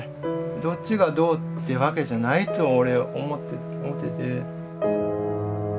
どっちがどうってわけじゃないと俺思ってて。